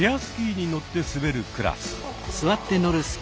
スキーに乗って滑るクラス。